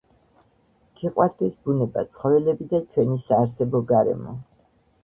გვიუვარდეს ბუნება, ცხოველები, და ჩვენი საარსებო გარემო